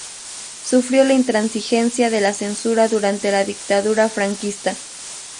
Sufrió la intransigencia de la censura durante la dictadura franquista.